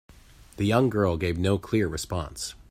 The young girl gave no clear response.